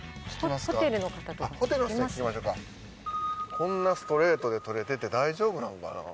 こんなストレートで取れてて大丈夫なのかな？